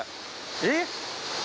えっ？